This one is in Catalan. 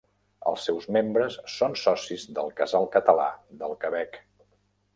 Els seus membres són socis del Casal Català del Quebec.